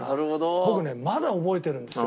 僕ねまだ覚えてるんですよ。